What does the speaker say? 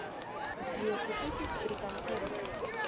Li okupiĝis pri kancero.